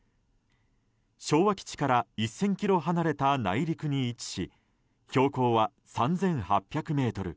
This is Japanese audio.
昭和基地から１０００ｋｍ離れた内陸に位置し標高は３８００ｍ。